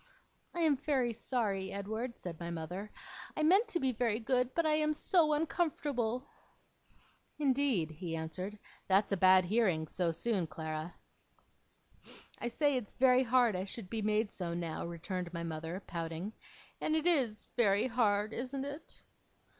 'I am very sorry, Edward,' said my mother. 'I meant to be very good, but I am so uncomfortable.' 'Indeed!' he answered. 'That's a bad hearing, so soon, Clara.' 'I say it's very hard I should be made so now,' returned my mother, pouting; 'and it is very hard isn't it?